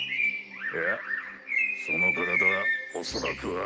いやその体は恐らくは。